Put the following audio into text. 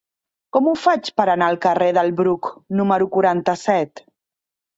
Com ho faig per anar al carrer del Bruc número quaranta-set?